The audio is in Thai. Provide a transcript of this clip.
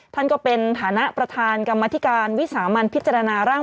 ท่านก็เป็นฐานะประธานกรรมธิการวิสามันพิจารณาร่าง